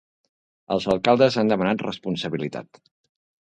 Els alcaldes han demanat responsabilitat.